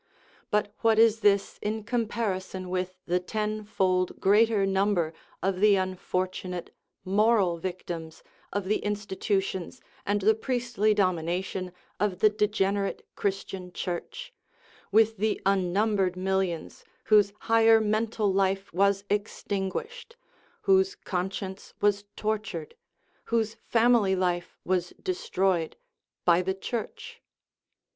But what is this in comparison with the tenfold greater number of the unfortunate moral victims of the in stitutions and the priestly domination of the degen erate Christian Church with the unnumbered millions whose higher mental life was extinguished, whose con science was tortured, whose family life was destroyed, by the Church?